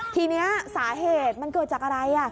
ทีนี้สาเหตุมันเกิดจากอะไร